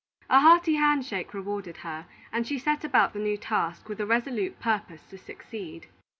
A hearty hand shake rewarded her, and she set about the new task with a resolute purpose to succeed.